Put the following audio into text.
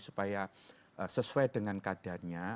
supaya sesuai dengan kadarnya